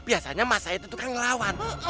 biasanya mas said itu kan ngelawan